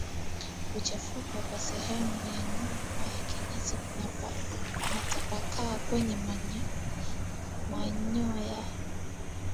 Kuchafuka kwa sehemu ya nyuma na kinyesi kutapakaa kwenye manyoya